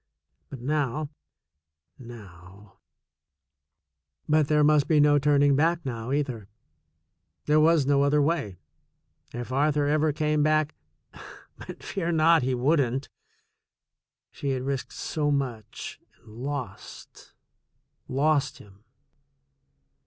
But now, now But there must be no turning back now, either. There was no other way. If Arthur ever came back — THE SECOND CHOICE 15^. but fear not, he wouldn't! She had risked so muc^ and lost — lost him.